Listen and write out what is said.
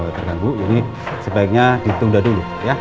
terganggu ini sebaiknya ditunda dulu